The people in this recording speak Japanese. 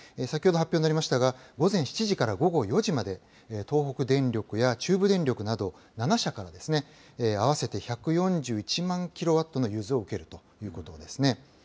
先ほど発表になりましたが、午前７時から午後４時まで、東北電力や中部電力など７社から、合わせて１４１万キロワットの融通を受けるということですね。